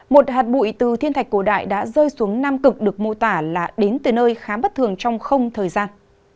một hạt bụi từ thiên thạch cổ đại đã rơi xuống nam cực được mô tả là đến từ nơi khá bất thường trong không thời gian